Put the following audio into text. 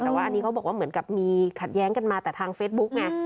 แต่ว่าอันนี้เขาบอกว่าเหมือนกับมีขัดแย้งกันมาแต่ทางเฟซบุ๊กไง